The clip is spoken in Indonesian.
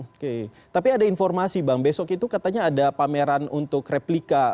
oke tapi ada informasi bang besok itu katanya ada pameran untuk replika